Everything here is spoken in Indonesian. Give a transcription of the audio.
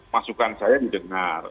masukan saya didengar